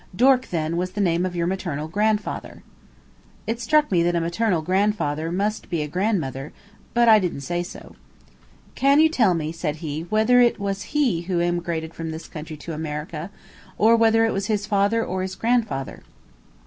Dork, then, was the name of your maternal grandfather." It struck me that a maternal grandfather must be a grandmother, but I didn't say so. "Can you tell me," said he, "whether it was he who emigrated from this country to America, or whether it was his father or his grandfather?"